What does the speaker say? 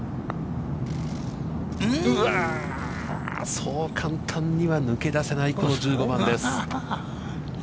そう簡単には抜け出せない、この１５番です。